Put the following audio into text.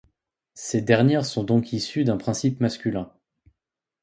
Ces dernières sont donc issues d'un principe masculin.